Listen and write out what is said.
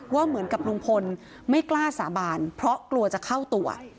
ว่าเหมือนกับลุงพลไม่กล้าสาบานเพราะกลัวจะเข้าตัว